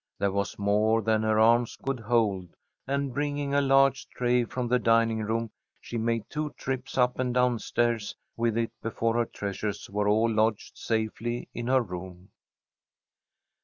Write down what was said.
There was more than her arms could hold, and, bringing a large tray from the dining room, she made two trips up and down stairs with it before her treasures were all lodged safely in her room.